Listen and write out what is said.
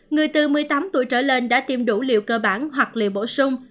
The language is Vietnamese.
người từ một mươi tám tuổi trở lên đã tiêm đủ liều cơ bản hoặc liều bổ sung